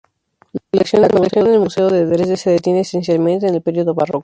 La colección en el museo de Dresde se detiene esencialmente en el período barroco.